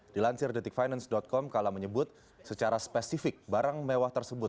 dilansir detikfinance com kala menyebut secara spesifik barang mewah tersebut